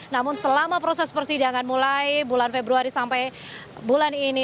namun selama proses persidangan mulai bulan februari sampai bulan ini